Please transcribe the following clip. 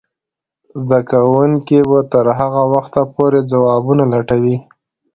زده کوونکې به تر هغه وخته پورې ځوابونه لټوي.